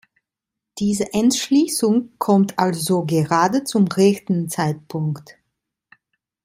Diese Entschließung kommt also gerade zum rechten Zeitpunkt.